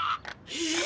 えっ！？